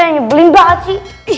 nyebelin banget sih